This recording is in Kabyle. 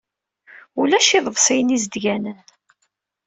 Ulac iḍebsiyen izedganen.